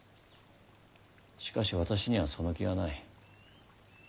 しかし私にはその気はない。